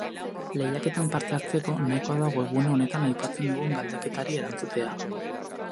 Lehiaketan parte hartzeko, nahikoa da webgune honetan aipatzen dugun galdeketari erantzutea.